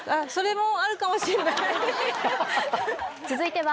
それもあるかもしれない。